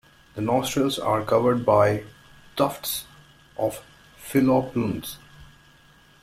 The nostrils are covered by tufts of filoplumes.